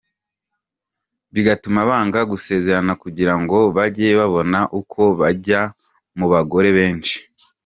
Bigatuma banga gusezerana kugira ngo bajye babona uko bajya mu bagore benshi.